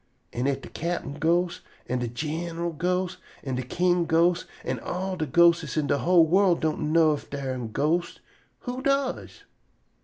An' if de cap'n ghost an' de gin'ral ghost an' de king ghost an' all de ghostes in de whole worl' don' know ef dar am ghostes, who does?"